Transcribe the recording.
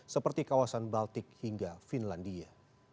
seperti kawasan baltik hingga finlandia